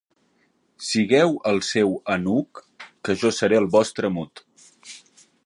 Sigueu el seu eunuc, que jo seré el vostre mut.